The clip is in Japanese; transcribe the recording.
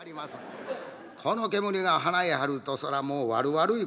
この煙が鼻へ入るとそれはもう悪悪い